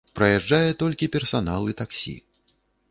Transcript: Праязджае толькі персанал і таксі.